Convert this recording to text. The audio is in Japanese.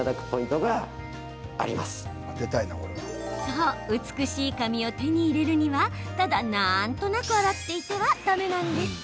そう、美しい髪を手に入れるにはただ、なんとなく洗っていてはだめなんです。